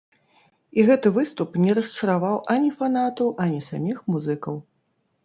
І гэты выступ не расчараваў ані фанатаў, ані саміх музыкаў.